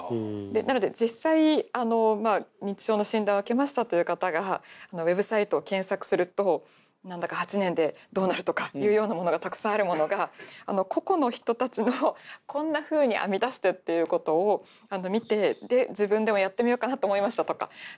なので実際認知症の診断受けましたという方がウェブサイトを検索すると何だか８年でどうなるとかいうようなものがたくさんあるものが個々の人たちの「こんなふうに編み出してる」っていうことを見てで「自分でもやってみようかなと思いました」とか。